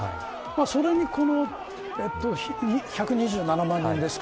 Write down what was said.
それに１２７万人ですか